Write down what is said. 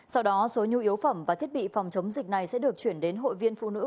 sau đó số nhu yếu phẩm và thiết bị phòng chống dịch này sẽ được chuyển đến hội viên phụ nữ